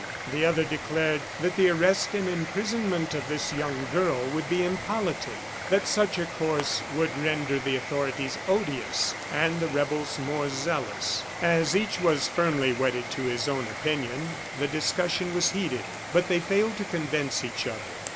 The other declared that the arrest and imprisonment of this young girl would be impolitic, that such a course would render the authorities odious, and the rebels more zealous. As each was firmly wedded to his own opinion, the discussion was heated, but they failed to convince each other.